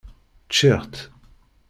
Ččiɣ-tt.